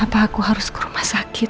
apa aku harus ke rumah sakit